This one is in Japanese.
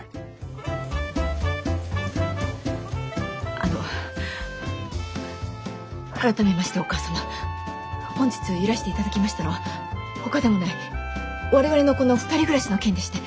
あの改めましてお母様本日いらして頂きましたのはほかでもない我々のこの２人暮らしの件でして。